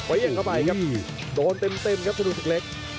ระวังข้าไปโดนเต็มครับทนุสุดเล็ก